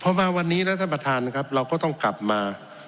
พอมาวันนี้นะท่านประธานครับเราก็ต้องกลับมา